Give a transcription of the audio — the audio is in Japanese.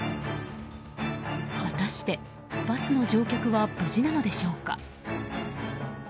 果たして、バスの乗客は無事なのでしょうか。